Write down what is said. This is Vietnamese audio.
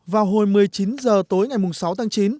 vào hồi một mươi chín h tối ngày sáu tháng chín